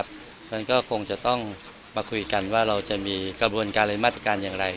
ฉันก็คงจะต้องมาคุยกันว่าเราจะมีกระบวนการในมาตรการอย่างไร